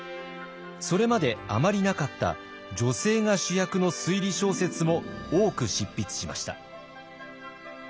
それまであまりなかった女性が主役の推理小説も多く執筆しました。